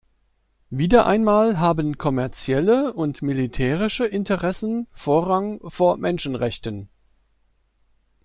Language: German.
Wieder einmal haben kommerzielle und militärische Interessen Vorrang vor Menschenrechten.